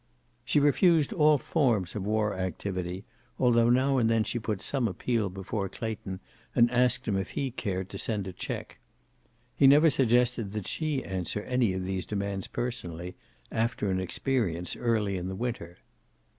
She refused all forms of war activity, although now and then she put some appeal before Clayton and asked him if he cared to send a check. He never suggested that she answer any of these demands personally, after an experience early in the winter.